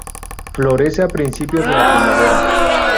Florece a principios de la primavera.